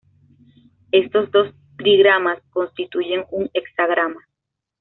Estos dos trigramas constituyen un hexagrama.